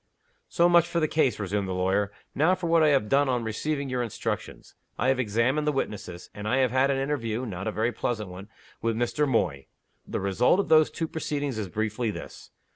"So much for the case," resumed the lawyer. "Now for what I have done on receiving your instructions. I have examined the witnesses; and I have had an interview (not a very pleasant one) with Mr. Moy. The result of those two proceedings is briefly this.